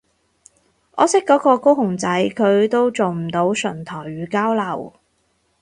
我識嗰個高雄仔佢都做唔到純台語交流